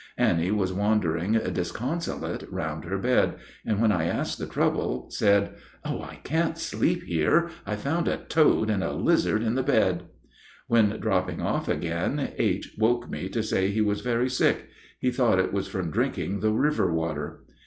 Annie was wandering disconsolate round her bed, and when I asked the trouble, said, "Oh, I can't sleep there! I found a toad and a lizard in the bed." When dropping off again, H. woke me to say he was very sick; he thought it was from drinking the river water.